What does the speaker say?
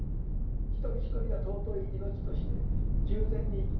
一人一人が尊い命として十全に生きなさい。